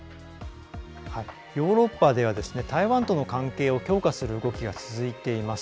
ヨーロッパでは台湾との関係を強化する動きが続いています。